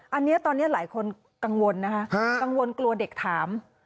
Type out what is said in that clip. อันนี้ตอนนี้หลายคนกังวลนะคะกังวลกลัวเด็กถาม